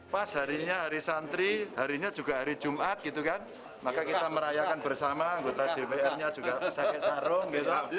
pas harinya hari santri harinya juga hari jumat gitu kan maka kita merayakan bersama anggota dpr nya juga sakit sarung gitu